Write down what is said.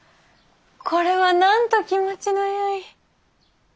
これはなんと気持ちのよい。